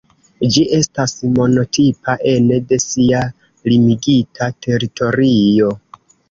Ĝi estas monotipa ene de sia limigita teritorio.